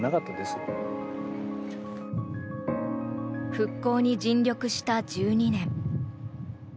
復興に尽力した１２年。